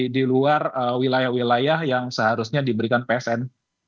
di luar wilayah wilayah yang seharusnya diberikan psn